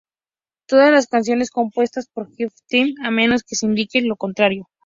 Todas las canciones compuestas por Jeff Tweedy, a menos que se indique lo contrario.